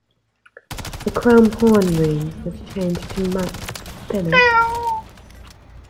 The chrome horn ring was changed to matte finish.